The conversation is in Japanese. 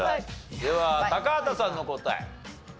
では高畑さんの答え。